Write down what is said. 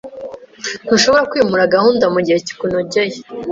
Ntushobora kwimura gahunda mugihe gikunogeye?